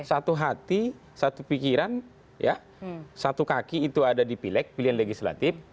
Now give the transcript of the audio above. satu hati satu pikiran satu kaki itu ada di pileg pilihan legislatif